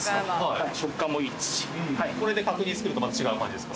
これで角煮作るとまた違う感じですか？